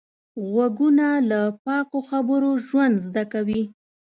غوږونه له پاکو خبرو ژوند زده کوي